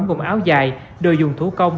gồm áo dài đồ dùng thủ công